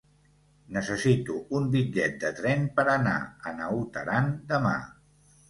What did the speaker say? Necessito un bitllet de tren per anar a Naut Aran demà.